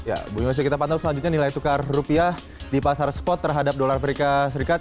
ya bu yose kita pantau selanjutnya nilai tukar rupiah di pasar spot terhadap dolar amerika serikat